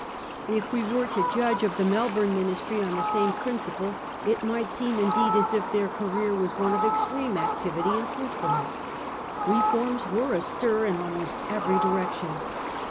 If we were to judge of the Mel bourne Ministry on the same principle, it might seem indeed as if their career was one of extreme activity and fruitfulness. Reforms were astir in almost every direction.